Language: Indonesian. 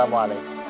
bapak woods kira kira